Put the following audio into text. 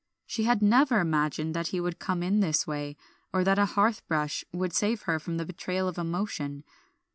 She had never imagined that he would come in this way, or that a hearth brush would save her from the betrayal of emotion.